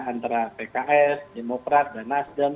antara pks demokrat dan nasdem